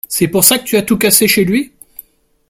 C’est pour ça que tu as tout cassé chez lui ?